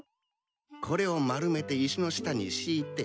これを丸めて石の下に敷いて。